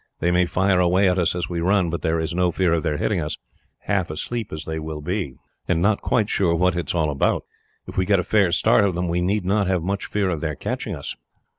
They may fire away at us as we run, but there is no fear of their hitting us, half asleep as they will be, and not quite sure what it is all about. If we get a fair start of them, we need not have much fear of their catching us."